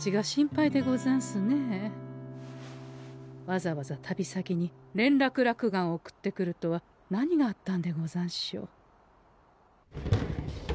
わざわざ旅先に連絡落雁を送ってくるとは何があったんでござんしょう？